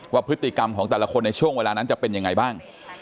ว่าพฤติกรรมของแต่ละคนในช่วงเวลานั้นจะเป็นยังไงบ้าง